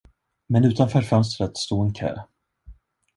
Men utanför fönstret stod en kö.